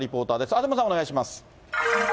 東さん、お願いします。